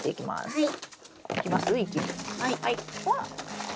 はい。